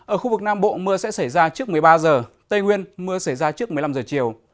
ở khu vực nam bộ mưa sẽ xảy ra trước một mươi ba giờ tây nguyên mưa xảy ra trước một mươi năm giờ chiều